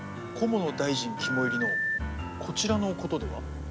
菰野大臣肝いりのこちらのことでは？